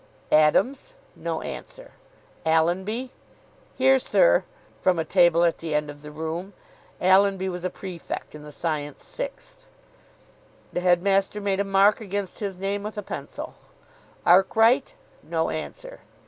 "Adams." No answer. "Allenby." "Here, sir," from a table at the end of the room. Allenby was a prefect, in the Science Sixth. The headmaster made a mark against his name with a pencil. "Arkwright." No answer.